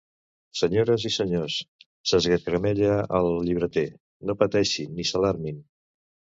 Senyores i senyors —s'esgargamella el llibreter—, no pateixin ni s'alarmin.